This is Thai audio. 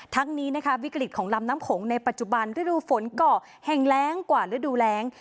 ทั้งนี้นะคะวิกฤตของลำน้ำโขงในปัจจุบันฤดูฝนเกาะแห่งแรงกว่าฤดูแรง